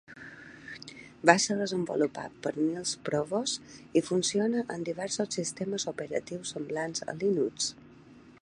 Va ser desenvolupat per Niels Provos i funciona en diversos sistemes operatius semblants a Linux.